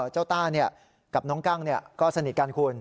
ต้ากับน้องกั้งก็สนิทกันคุณ